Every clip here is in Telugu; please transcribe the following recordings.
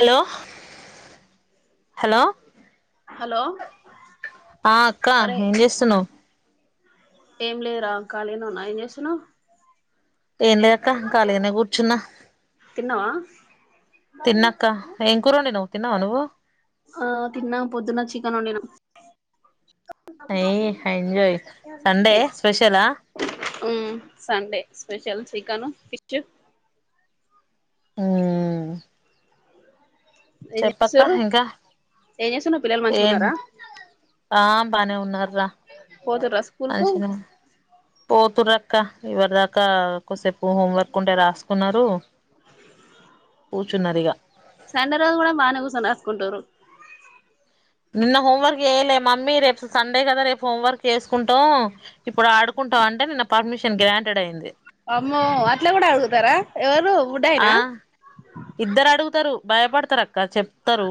హలో, హలో హలో ఆ అక్కా అరే ఏం చేస్తున్నావు? ఏం లేదురా ఖాళీగానే ఉన్నా ఏం చేస్తున్నావు? ఏం లేదక్కా ఖాళీగానే కూర్చున్నా. తిన్నవా? తిన్నాక్కా ఏం కూర వండినావ్? తిన్నావ నువ్వు. ఆ తిన్నాం. పొద్దున్న చికెన్ వండినాం. ఏయ్, ఎంజాయ్ సండే స్పెషలా? మ్ సండే స్పెషల్ చికెను, ఫిష్ ఉమ్ ఏం చేసారు. ఇంకా ఏం చేస్తున్నావ్, పిల్లలు ఏం మంచిగున్నారా? ఆ బానే ఉన్నారు రా. పోతుర్రా స్కూల్ కు మంచిగనే పోతుర్రుక్క ఇప్పటి దాకా కాసేపు హోం వర్క్ ఉంటే రాసుకున్నారు. కూర్చున్నారిగా. సండే రోజు కూడా బానే కూర్చొని రాసుకుంటురు. నిన్న హోంవర్క్ చేయలే మమ్మీ రేపు సండే కదా రేపు హోంవర్క్ చేసుకుంటాం. ఇప్పుడు ఆడుకుంటాం అంటే నిన్న పర్మిషన్ గ్రాంటెడ్ అయింది. అమ్మో అట్లే కూడా అడుగుతారా? ఎవరు బుడ్డాయనా ఆ ఇద్దరు అడుగుతారు భయపడతారు అక్కా చెప్తారు.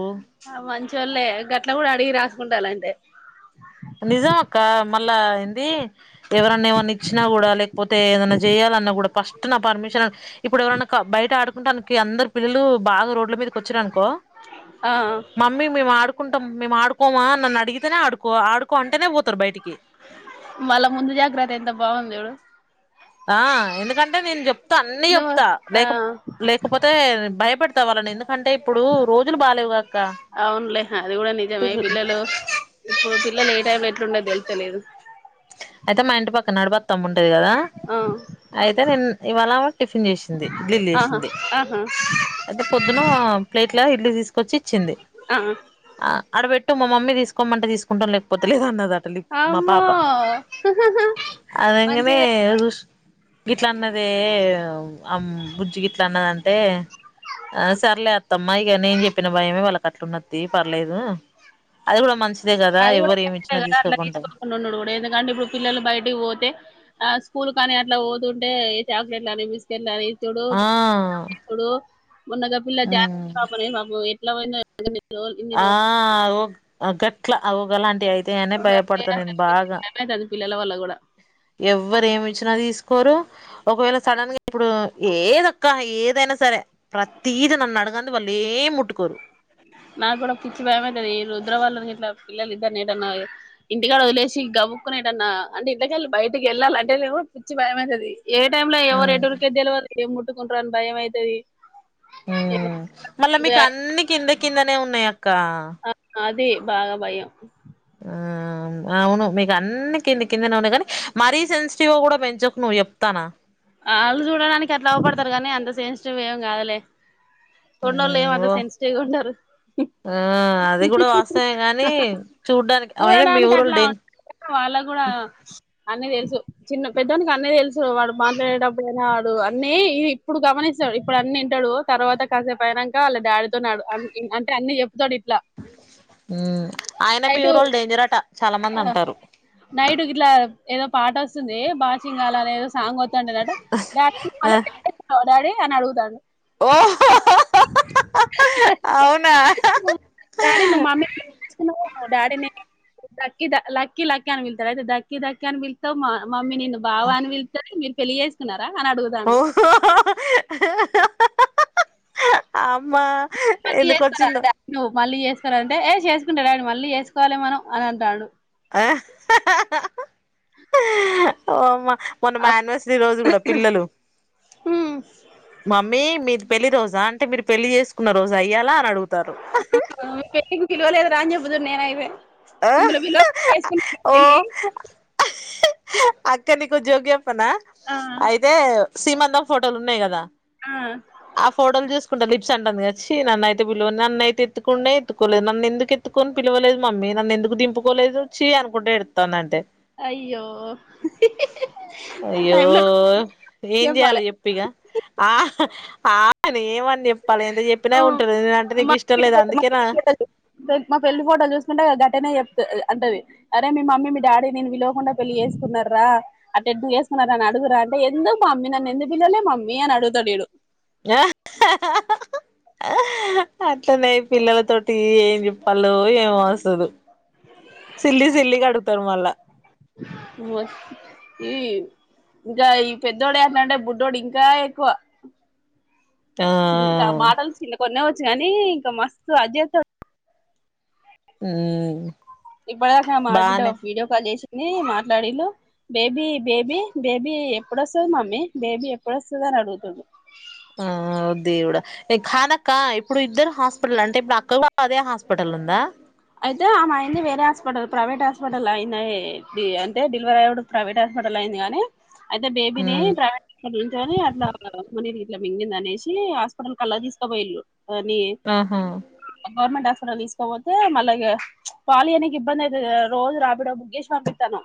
ఆ మంచోల్లే గట్ల కూడా అడిగి రాసుకుంటాలంటే. నిజం అక్కా మళ్ళా ఏంది ఎవరన్నా ఏమన్నా ఇచ్చినా కూడా లేక పోతే ఏదనా చేయాలన్న కూడా ఫస్ట్ నా పర్మిషన్, ఇప్పుడు ఎవరన్నా బయట ఆడుకుంటానికి అందరూ పిల్లలు బాగా రోడ్ల మీదకి వచ్చిరునుకో ఆ మమ్మీ మేము ఆడుకుంటాం. మేము ఆడుకోమా? నన్ను అడిగితేనే ఆడుకో ఆడుకో అంటేనే పోతారు బయటికి. మళ్ళా ముందు జాగ్రత్త ఎంత బాగుంది చూడు. ఆ ఎందుకంటే నేను చెప్తా అన్ని నువ్వు చెప్తా లేక ఆ లేకపోతే భయపడతా వాళ్ళని ఎందుకంటే? ఇప్పుడు రోజులు బాలేేవు గదాక్కా అవునులే అది కూడా నిజమే పిల్ల పిల్లలు ఇప్పుడు పిల్లలు ఏ టైం లో ఎట్లుండేది తెలుత్తాలేదు. అయితే మా ఇంటి పక్కన నడిపి అత్తమ్మ ఉండేది కదా ఆ అయితే ఇవాళ టిఫిన్ చేసింది ఇడ్లీలు ఆహా చేసింది. ఆహా అయితే పొద్దున ప్లేట్ లో ఇడ్లీ తీసుకొచ్చి ఇచ్చింది. ఆ ఆడ పెట్టు మా మమ్మీ తీసుకోమంటే తీసుకుంటాం లేకపోతే లేదు అన్నారంట. అమ్మో హు హు అనగానే ఎదురుచూసింది. గిట్ల అన్నదే అ బుజ్జి గిట్ల అన్నదంటే ఆ సర్లే అత్తమ్మా ఇక నేను చెప్పిన భయమే వాళ్ళకట్లున్నది పర్లేదు. అది కూడా మంచిదే కదా ఎవ్వరు ఏమి ఇచ్చినా తీసుకోకుండా. ఉండు కూడా ఎందుకంటే ఇప్పుడు పిల్లలు బయటకి పోతే. ఆ స్కూల్ కాని అట్లా పోతుంటే చాక్లెట్ అని తెల్లారి చూడు ఆ ఇప్పుడు మొన్నగా పిల్ల జాన్వి ఉమ్ అనే పాప ఎట్లా పోయిందో. లోల్ [inaudible] ఆ ఓ గట్లా గలాంటివి అయితాయి అని భయపడతాను నేను బాగా అయితాంటుంది పిల్లల వల్ల కూడా. ఎవ్వరు ఏమి ఇచ్చినా తీసుకోరు. ఒకవేళ సడన్గా ఇప్పుడు ఏదక్క ఏదైనా సరే ప్రతీదీ నన్ను అడగండి వాళ్ళు ఏం ముట్టుకోరు. నాకు కూడా పిచ్చి భయమైతాది ఈ రుద్రావాళ్ళు గిట్లా పిల్లలు ఇద్దర్ని ఎటన్నా ఇంటికాడ వదిలేసి గబుక్కునెటన్న అంటే ఇంట్లోకెళ్ళి బయటకి వెళ్ళాలి అంటే కూడా పిచ్చి భయమైతాది. ఏ టైమ్ లో ఎవరు ఉమ్ ఎటురికేది తెలవదు ఏం ముట్టుకుంటారో అని భయం అయితాది. మ్ మళ్ళా మీకు అన్నీ కింద కిందనే ఉన్నాయి అక్కా అదే బాగా భయం. ఆ అవును మీకు అన్నీ కింది కిందనే ఉన్నా కానీ మరీ సెన్సిటివ్ గా కూడా పెంచకు నువ్వు చెప్తాన్నా. వాళ్ళు చూడడానికి అట్లా అగుపడతారు కానీ అంత సెన్సిటివ్ ఏమి కాదలే. తొండొల్లు ఉమ్ ఏమి అంత ఓ సెన్సిటివ్గా ఉండరు. ఆ అది కూడా వాస్తవమే కానీ చూడ్డానికి అయినా మీ ఊరోళ్ళు డేంజర్. వాళ్ళ కూడా అన్నీ తెలుసు. చిన్న, పెద్దోనికి అన్నీ తెలుసు. వాడు మాట్లాడేటప్పుడుయినా వాడు అన్నీ ఇప్పుడు గమనిస్తాడు. ఇప్పుడు అన్నీ వింటాడు. తర్వాత కాసేపు అయినాక వాళ్ళ డాడీ చెప్తున్నాడు. అంటే అన్నీ చెప్తాడు ఇట్లా. అయినా మీ నైటు ఊరోళ్ళు డేంజరట చాలా మంది అంటారు. నైట్ ఇట్లా ఏదో పాట వస్తుంది బాచింగాలలో ఏదో సాంగ్ వస్తుంది. డాడి పెట్టేసినావా అని అడుగుతాండు. ఓహో హో హా ఆ అవునా డాడీ నువ్వు మమ్మీ ని నువ్వు కిస్ చేసుకున్నావు కదా అని డాడీని లక్కీ లక్కీ అని పిలుస్తారు. అయితే దక్కీ దక్కీ అని పిలుస్తావు. మా మమ్మీ నిన్ను బావా అని పిలుస్తాది మీరు పెళ్లి చేసుకున్నారా అని అడుగుతాండు. ఓహో హ్ అమ్మా హ్ మళ్ళీ ఎందుకు చేసుకోరా వచ్చిందో? డాడీ నువ్వు మళ్ళీ చేసుకోవాలంటే ఏ చేసుకుంటా డాడి మళ్ళీ చేసుకోవాలి మనం అని అంటాండు. ఆ హ్ హా హు వామ్మో మొన్న మా అప్ యాన్వర్సరీ రోజు కూడా పిల్లలు మమ్మీ మీది పెళ్లి రోజా అంటే మీరు పెళ్లి చేసుకున్న రోజా ఇయ్యాలా అని అడుగుతారు. పెళ్లికి పిలవ లేదు రా చెప్పుదును నేనైతే. ఆ మిమ్మల్ని పిలువ కుండా చేసుకుందా పెళ్ళి. హ్ అక్క నీకు ఒక జోక్ చెప్పానా ఆ ఐతే అయితే సీమంతం ఫోటోలు ఉన్నాయి కదా. ఆ ఆ ఫోటోలు చూకుంటా లిప్స్ అంటాంది. చీ నన్ను అయితే పిలువరు. నన్ను అయితే ఎత్తుకుండే ఎత్తుకోలేదు నన్ను ఎందుకు ఎత్తు కొని పిలవలేదు. మమ్మీ నన్ను ఎందుకు దింపుకోలేదు చీ అనుకుంటా ఏడుతాంది అంటే. అయ్యో హి హి అయ్యో ఏం చేయాలి చెప్పాలి చెప్పు. ఇగ ఆ ఆఖరికి ఏమని చెప్ పళ్ ఎంత చెప్పినా ఉంటుంది నేను అంటే నీకు ఇష్టం లేదు అందుకేనా రేపు మా పెళ్లి ఫోటోలు చూసుకుంటే గటనే చెప్ అంటది అరే మీ మమ్మీ మీ డాడీ నిన్ను పిలువకుండా పెళ్లి చేసుకున్నారా అట్లాఎట్లా చేసుకున్నార అని అడుగురా అంటే ఎందుకు మమ్మీ నన్ను ఎందుకు పిలాలే మమ్మీ అని అడుగుతాడు వీడు ఆ అట్లనే ఈ పిల్లల తోటి ఏం చెప్పాలో ఏమో అసలు సిల్లి సిల్లిగా ఆడుగుతారు మళ్ళా వోస్ ఈ ఇంకా ఈ పెద్దోడు ఆన్టంటే బుడ్డోడు ఇంకా ఎక్కువ ఆ చి మాటలు చిన్న కొనేవచ్చు కానీ ఇంకా మస్తు అదే ఉ ఇప్పటిదాకా మా ఆడబిడ్డ వీడియో కాల్ చేసింది మాట్లాడిండు బేబీ బేబీ బేబీ ఎప్పుడొస్తుది మమ్మీ బేబీ ఎప్పుడొస్తుంది అని అడుగుతుండు ఆ అ దేవుడా కానక్క ఇప్పుడు ఇద్దరు హాస్పిటల్ అంటే ఇప్పుడు అక్క కూడా అదే హాస్పిటల్ లో ఉందా అయితే ఆమె అయింది వేరే హాస్పిటల్ ప్రైవేట్ హాస్పిటల్ అయింది అంటే డెలివరీ అయ్యేటప్పుడు ప్రైవేట్ హాస్పిటల్ లో అయింది గాని అయితే బేబీని ఉమ్ ప్రైవ అడ ఏంటని అట్లా ఉమ్మనీరు గీట్లా మింగిందనేసి హాస్పిటల్ కి అలా తీసుకోపోయిల్ళు అనీ ఆహా గవర్నమెంట్ హాస్పిటల్ తీసుకోపోతే మల్ అట్లాగే పాలియడానికి ఇబ్బంది అయితది కదా రోజు రాపిడో బుక్ చేసి పంపిస్తున్నాం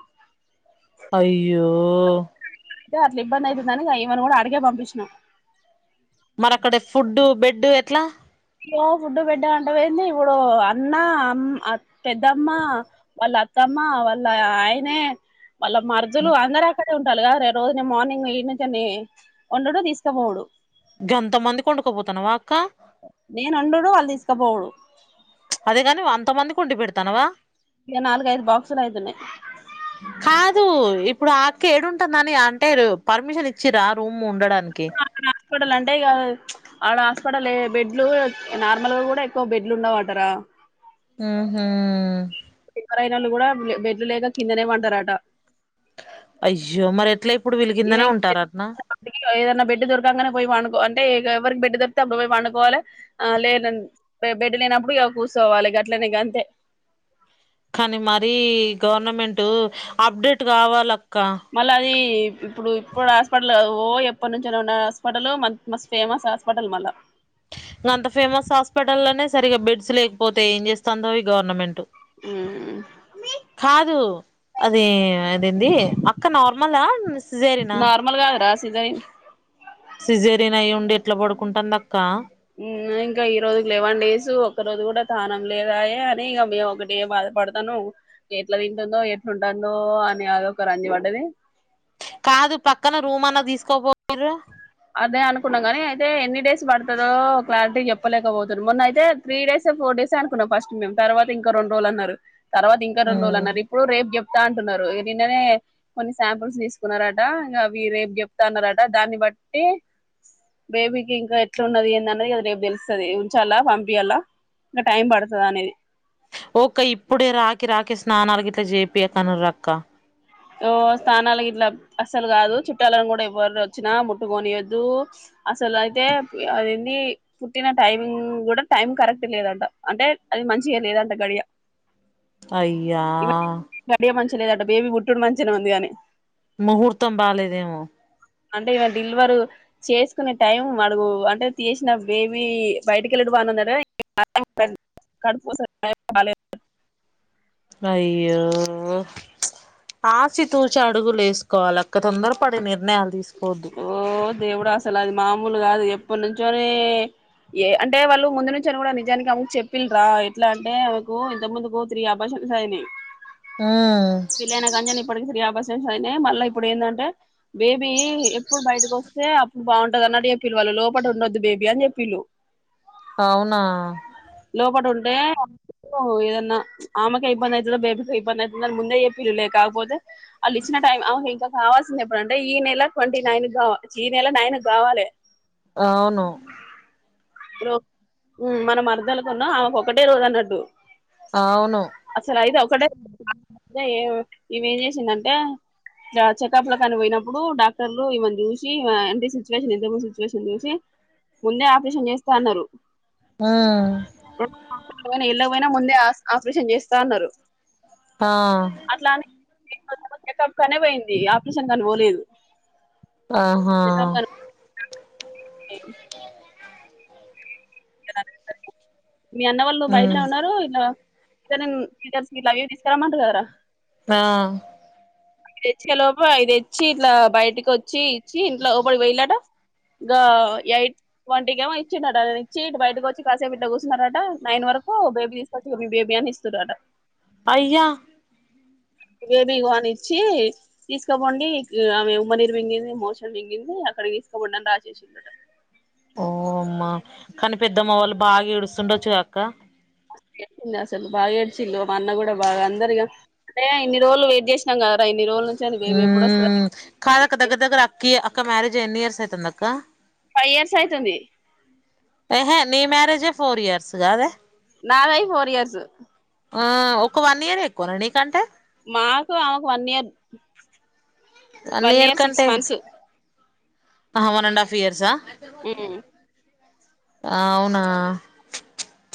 అయ్యో అయితే అట్లా ఇబ్బంది అవుతుందని ఈమెను కూడా ఆడికే పంపించినం మరి అక్కడ ఫుడ్డు బెడ్డు ఎట్లా ఇప్పుడు ఫుడ్డు బెడ్డు అంటావేంది ఇప్పుడు అన్న పెద్దమ్మ వాళ్ళ అత్తమ్మ వాళ్ళ ఆయనే వాళ్ళ మరదలు అందరూ అక్కడే ఉంటున్నారు కాదురా రోజు మార్నింగ్ లేవనికనే వండుడు తీసుకుపోవుడు గంత మందికి కొండుకోపోతున్నా వా అక్క నేను వండుడు వాళ్ళు తీసుకపోవుడు అదేగాని అంత మందికి వండి పెడుతున్నావ ఇక నాలుగైదు బాక్సులు అవుతున్నాయి కాదు ఇప్పుడు ఆ అక్క ఏడుంటుందని అంటేరు పర్మిషన్ ఇచ్చిరా రూమ్ ఉండడానికి హాస్పిటల్ అంటే కాదు వాళ్ళ హాస్పిటల్ బెడ్లు నార్మల్ గా కూడా ఎక్కువ బెడ్లు ఉండవు అటార ఉహూ సిజరైనోళ్లు కూడా బెడ్లు లేక కిందనే పంటరట అయ్యో మరి ఎట్లా ఇప్పుడు మరి వీలు కిందనే ఉంటారాటానా ఏదైన బడ్ దొరకంగానే పోయి పండుకో అంటే ఎవరికి బెడ్ దొరితే అప్పుడు పోయి పండుకోవాలే ఆ లేదండి బెడ్ లేనప్పుడు ఇకా కూర్చోవాలి గట్లనే గంతే కానీ మరీ గవర్నమెంట్ అప్డేట్ కావాల అక్క మళ్ళీ అది ఇప్పుడు ఇప్పుడు హాస్పిటల్ ఓ ఎప్పటి నుంచనో ఉన్న హాస్పిటల్ మస్ మస్త్ ఫేమస్ హాస్పిటల్ మల్ల ఇంకా అంత ఫేమస్ హాస్పిటల్ లోనే సరిగా బెడ్స్ లేకపోతే ఏం చేస్తుందో ఈ గవర్నమెంట్ ఉమ్ కాదు అది అదేంది అక్క నార్మల్ ఆ సిజేరి నార్మల్గా అది రాస్ సిజై సిజేరియన్ అయ్యుండి ఎట్లా పడుకుంటంది అక్క ఉమ్ ఆ ఇంకా ఈ రోజుకి లెవన్ డేసు ఒక్క రోజు కూడా తానం లేదాయె అని ఇగ మేం ఒకటే బాధపడు తను ఎట్లా తింటుందో ఎట్లుంటాందో అని అది ఒక రంజి పడ్డది కాదు పక్కన రూం అన్నా తీసుకోపోయిర్రా అదే అనుకున్నా గానీ అయితే ఎన్ని డేస్ పడుతదో క్లారిటీ చెప్పలేకపోతుర్రు మొన్న అయితే త్రీ డేసే ఫోర్ డేసే అనుకున్నాం ఫస్ట్ మేం తర్వాత ఇంకా రెండు రోజులు అన్నారు తర్వాత ఇంకా రెండు రోజులన్నారు ఇ ప్పుడు రేపు చెప్తా అంటున్నారు నిన్ననే కొన్ని శాంపుల్స్ తీసుకున్నారట ఇగ అవి రేపు చెప్తా అన్నారట దాన్ని బట్టి బేబీకి ఇంకా ఎట్లున్నది ఏందన్నది అది రేపు తెలుస్తుది ఉంచాలా పంపియ్యాలా ఇంకా టైం పడుతదా అనేది ఓక్క ఇప్పుడే రాకి రాకి స్నానాలు గిట్లా చేపియ్యకు అనురక్కా ఓ స్థానాలకు ఇట్లా అస్సలు గాదు చుట్టాలను కూడా ఎవరోచ్చినా ముట్టుకొనియద్దు అసలు అయితే పి అదేంది పుట్టిన టైమింగ్ కూడా టైం కరెక్ట్ లేదంట అంటే అది మంచిగా లేదంట గడియ అయ్యా ఈమె గడియ మంచిగ లేదట బేబీ బుట్డుడు మంచిగనే ఉందిగానీ ముహూర్తం బాలేేదేమో అంటే ఈమె డిల్వరు చేసుకునే టైం మడుగు అంటే తీసిన బేబీ బయటికెళ్ళుడు బానున్నరో [unintelligible] కడుపూసల బాలే అయ్యో ఆచి తూచి అడుగులేసుకోవాలి అక్క తొందరపడి నిర్ణయాలు తీసుకోవద్దు ఓ దేవుడా అసలు అది మామూలు గాదు ఎప్పటినుంచోనే ఏ అంటే వాళ్ళు ముందు నుంచే అని కూడా నిజానికి అమెకు చెప్పిల్డ్రా ఎట్లా అంటే ఆమెకు ఇంతకు ముందుకు త్రీ అబాషన్స్ అయినయి ఉమ్ పిల్లను కన్యను ఇప్పటికీ త్రీ అబస్ సన్స్ అయినాయి మళ్ళ ఇప్పుడు ఏందంటే బేబీ ఎక్ ప్పుడు బయటకొస్తే అప్పుడు బావుంటాది అన్నటు చెప్పిల్లు వాళ్ళు లోపట ఉండోదు బేబీ అని చెప్పిల్లు అవునా లోపటుంటే [inaudible] ఏదన్నా ఆమెకే ఇబ్బంది అయితదో బేబీకే ఇబ్బంది అయితదో ముందే చెప్పిర్రు లే కాకపోతే ఆళ్ళు ఇచ్చిన టైం అహ్ ఇంకా కావాల్సింది ఎప్పుడుంటే ఈ నెల ట్వంటీ నైనుకు కావ చీ నెల నైనుకు కావాలి అవును రో ఊ మన మరదలకున్నూ ఆమెకు ఒక్కటే రోజు అన్నట్టు అవును అసలు అయితే ఒకటే [inaudible] ఈమె ఏం చేసిందంటే ట్ల చెకప్ ల కని పోయినప్పుడు డాక్ టర్లు ఈమెను చూసి ఈమె అంటే సిచువేషన్ [inaudible] సిచువేషన్ చూసి ముందే ఆపరేషన్ చేస్తా అన్నారు ఆ రెండు [inaudible] ఎళ్ళక పోయినా ముందే ఆస్ ఆపరేషన్ చేస్తా అన్నారు ఆ అట్లానే చెకప్ కనే పోయింది, ఆపరేషన్కి అని పోలేదు. ఆహా ఏం మీ అన్న వాళ్ళు బయటనే ఉమ్ ఉన్నారు ఇలా ఇదనన్ విదర్స్ మీ లగేజ్ తీస్కారమంటగదారా ఆ తెచ్చగ లోపు అయి తెచ్చి ఇట్లా బయటికొచ్చి ఇచ్చి ఇంట్ల లోపలకి పోయిల్లట గా యైట్ వంటికి ఏమో ఇచ్చిండట, అ ఇచ్చ ఇటు బయటకి వచ్చి కాసేపు ఇట్లా కూర్సున్నరట, నైన్ వరకు బేబీ తీస్ కొచ్చి ఇగో మీ బేబి అనీ ఇస్తురట అయ్యో బేబి ఇగో అని ఇచ్చి తీసుకోపోండి, ఇ ఆమె ఉమ్మనీరు మింగింది, మోషన్ మింగింది, అక్కడకి తీసుకోపొండి అని రాసేసిన్రట. ఓ అమ్మా, కనీ పెద్దమ్మ వాళ్ళు బాగా ఏడుస్తుండోచ్చు కదా అక్కా. ఇగ అసల్ బాగా ఏడ్చింది, ఇగ మా అన్న కూడా బాగా అందరిగా టె ఇన్ని రోజులు వెయిట్ చేసినం కదా, ఇన్ని రోజులు ఉమ్ కాదు అక్క, దగ్గర దగ్గర అక్కి అక్క మ్యారేజ్ ఎన్ని ఇయర్స్ అయితుంది అక్క? ఫైవ్ ఇయర్స్ అయితుంది. అహే నీ మ్యారేజే ఫోర్ ఇయర్స్ గాదే నాదై ఫోర్ ఇయర్సు. ఆ ఒక వన్ ఇయరే ఎక్కువన నీ కంటే మాకు ఆమెకు వన్ ఇయర్ వన్ ఇయర్ కంటే, అహ వన్ అండ్ హాఫ్ ఇయర్సా? ఉమ్ ఆవునా